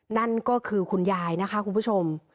นั่นก็คือคุณยายนะคะคุณผู้ชม